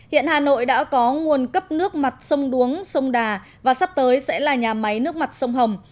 hiện hà nội đã có nguồn cấp nước mặt sông đuống sông đà và sắp tới sẽ là nhà máy nước mặt sông hồng